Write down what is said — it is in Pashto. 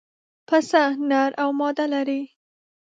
پسه نر او ماده لري.